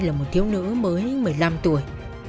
là một thiếu nữ mới một mươi năm tuổi